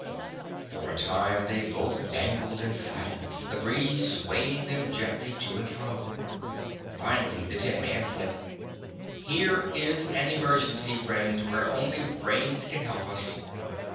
For a time they both dangled in silence, the breeze swaying them gently to and fro. Finally the tin man said: "Here is an emergency, friend, where only brains can help us.